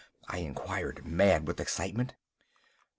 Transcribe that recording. I inquired, mad with excitement.